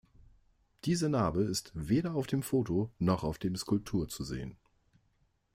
Diese Narbe ist weder auf dem Foto noch auf dem Skulptur zu sehen.